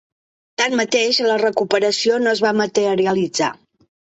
Tanmateix, la recuperació no es va materialitzar.